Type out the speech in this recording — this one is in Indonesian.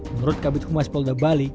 menurut kabinet humas pol da bali